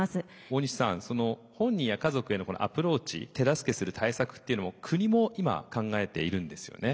大西さん本人や家族へのアプローチ手助けする対策っていうのも国も今考えているんですよね？